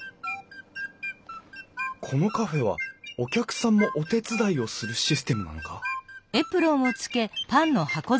このカフェはお客さんもお手伝いをするシステムなのか？